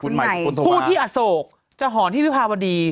ผู้ที่อโศกจะหอนที่วิภาวดี